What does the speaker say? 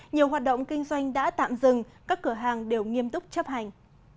nhiều hoạt động kinh doanh đã tạm dừng các cửa hàng đều nghiêm túc chấp hành